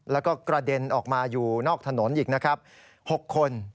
แล้วก็กระเด็นออกมาอยู่นอกถนนอีกนะครับ๖คน